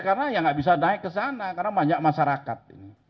karena ya nggak bisa naik ke sana karena banyak masyarakat